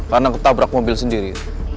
karena ketabrak mobil sendiri